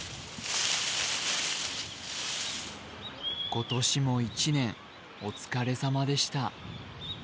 今年も１年お疲れさまでした。